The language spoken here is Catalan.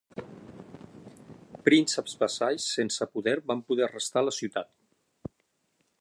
Prínceps vassalls sense poder van poder restar a la ciutat.